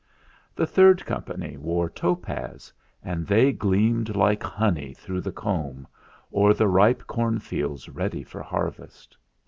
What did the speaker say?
The third company wore topaz, and they gleamed like honey through the comb, or the ripe corn fields ready for harvest.